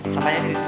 saya tanya disini